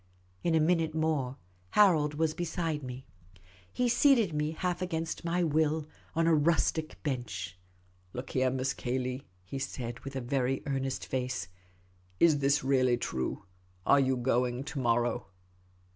In a minute more, Harold Til lington was beside me. He seated me, half against my will, on a rustic bench. " Look here. Miss Cayley," he said, with a very earnest face ;" is this really true ? Are you going to morrow